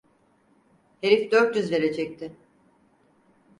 Herif dört yüz verecekti…